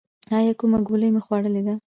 ایا کومه ګولۍ مو خوړلې ده؟